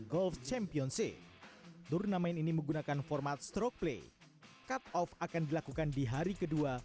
golf championship turnamen ini menggunakan format stroke play cut off akan dilakukan di hari kedua